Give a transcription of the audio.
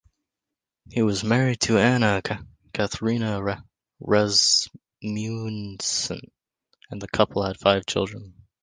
He was married to Anna Catharina Rasmussen and the couple had five children.